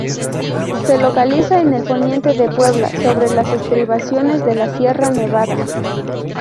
Se localiza en el poniente de Puebla, sobre las estribaciones de la Sierra Nevada.